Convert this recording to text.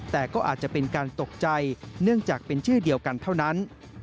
แต่ก็อาจจะเป็นการตกใจเนื่องจากเป็นชื่อเดียวกันเท่านั้น